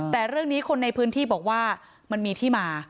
แต่เรื่องนี้คนในพื้นที่บอกว่ามันมีที่มา